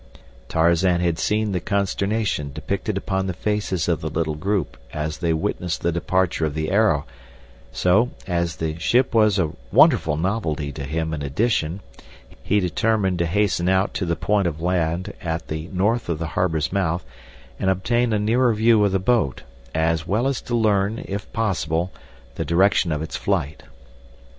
Tarzan had seen the consternation depicted upon the faces of the little group as they witnessed the departure of the Arrow; so, as the ship was a wonderful novelty to him in addition, he determined to hasten out to the point of land at the north of the harbor's mouth and obtain a nearer view of the boat, as well as to learn, if possible, the direction of its flight.